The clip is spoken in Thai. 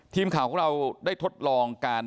ทีมข่าวของเราได้ทดลองการ